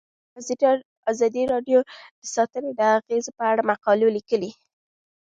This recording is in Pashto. ازادي راډیو د چاپیریال ساتنه د اغیزو په اړه مقالو لیکلي.